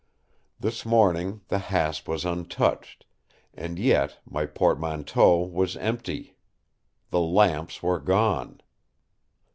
This morning the hasp was untouched.... And yet my portmanteau was empty. The lamps were gone!